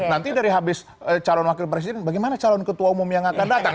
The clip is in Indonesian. nanti dari habis calon wakil presiden bagaimana calon ketua umum yang akan datang